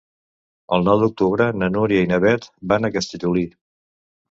El nou d'octubre na Núria i na Beth van a Castellolí.